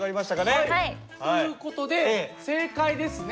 はい！という事で正解ですね。